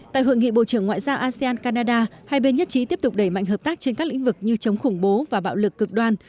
tại hội nghị bộ trưởng ngoại giao asean canada hai bên nhất trí tiếp tục đẩy mạnh hợp tác trên các lĩnh vực như chống khủng bố và bạo lực cực đoan